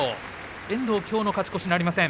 遠藤きょうの勝ち越しなりません。